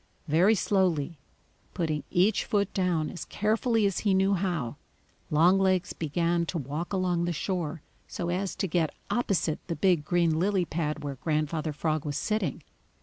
Very slowly, putting each foot down as carefully as he knew how, Longlegs began to walk along the shore so as to get opposite the big green lily pad where Grandfather Frog was sitting.